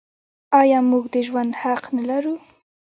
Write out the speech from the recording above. آیا موږ د ژوند حق نلرو؟